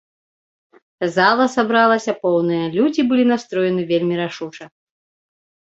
Зала сабралася поўная, людзі былі настроены вельмі рашуча.